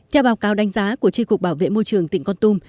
theo báo cáo đánh giá của tri cục bảo vệ môi trường tỉnh con tum